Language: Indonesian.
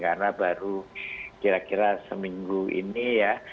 karena baru kira kira seminggu ini ya